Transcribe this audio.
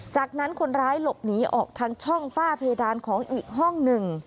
จากนั้นคนร้ายหลบหนีออกทางช่องฝ้าเพดานของอีกห้องหนึ่ง